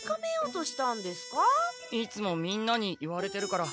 いつもみんなに言われてるから。